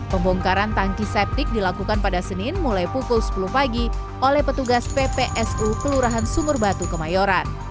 pembongkaran tangki septik dilakukan pada senin mulai pukul sepuluh pagi oleh petugas ppsu kelurahan sumur batu kemayoran